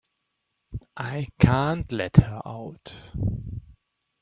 I can't let her out.